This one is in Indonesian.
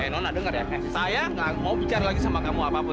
nona dengar ya saya gak mau bicara lagi sama kamu apapun